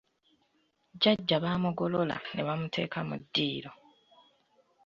Jjajja baamugolola ne bamuteeka mu ddiiro.